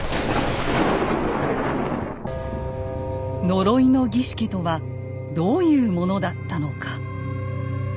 呪いの儀式とはどういうものだったのか。